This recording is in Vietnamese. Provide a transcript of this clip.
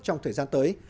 trong thời gian tới